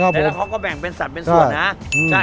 แต่ละเขาก็แบ่งเป็นสัตว์เป็นส่วนนะ